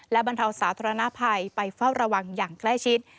และบรรเทาสาธารณภัยไปเฝ้าระวังอย่างใกล้ชิด